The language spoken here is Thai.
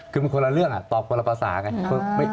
คือมันคนละเรื่องตอบคนละภาษาไง